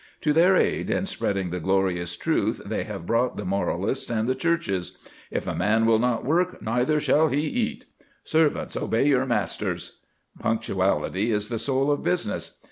To their aid in spreading the glorious truth they have brought the moralists and the Churches: "'if a man will not work, neither shall he eat.' 'Servants, obey your masters.' Punctuality is the soul of business.